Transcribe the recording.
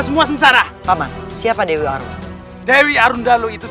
semua sengsara paman siapa dewi arun dewi arun dalu itu